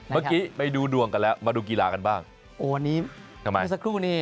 เมื่อกี้ไปดูดวงกันแล้วมาดูกีฬากันบ้างโอ้อันนี้ทำไมเมื่อสักครู่นี้